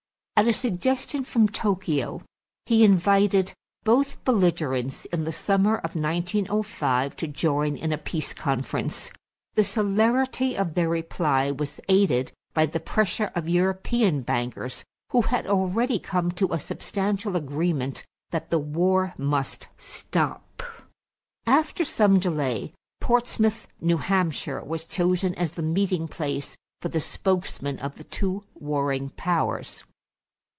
At a suggestion from Tokyo, he invited both belligerents in the summer of 1905 to join in a peace conference. The celerity of their reply was aided by the pressure of European bankers, who had already come to a substantial agreement that the war must stop. After some delay, Portsmouth, New Hampshire, was chosen as the meeting place for the spokesmen of the two warring powers.